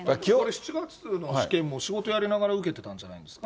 ７月の試験も仕事やりながら受けてたんじゃないですか。